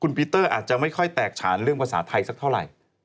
ปีเตอร์อาจจะไม่ค่อยแตกฉานเรื่องภาษาไทยสักเท่าไหร่